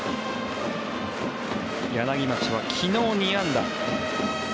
柳町は昨日２安打。